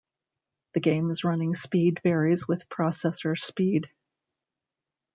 The game's running speed varies with processor speed.